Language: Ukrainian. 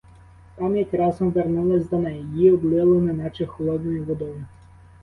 Пам'ять разом вернулась до неї, її облило неначе холодною водою.